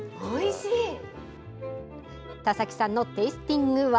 田崎さんのテイスティングは？